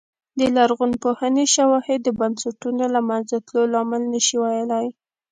د لرغونپوهنې شواهد د بنسټونو له منځه تلو لامل نه شي ویلای